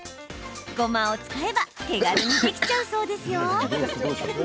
ごまを使えば手軽にできちゃうそうですよ。